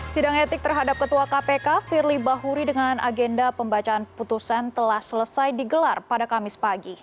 sidang etik terhadap ketua kpk firly bahuri dengan agenda pembacaan putusan telah selesai digelar pada kamis pagi